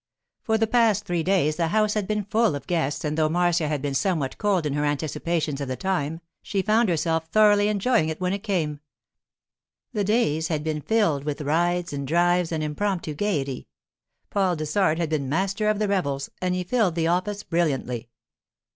For the past three days the house had been full of guests and though Marcia had been somewhat cold in her anticipations of the time, she found herself thoroughly enjoying it when it came. The days had been filled with rides and drives and impromptu gaiety. Paul Dessart had been master of the revels, and he filled the office brilliantly.